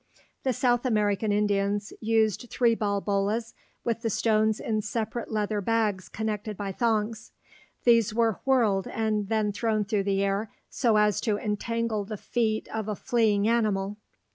The South American Indians used three ball bolas, with the stones in separate leather bags connected by thongs. These were whirled and then thrown through the air so as to entangle the feet of a fleeing animal.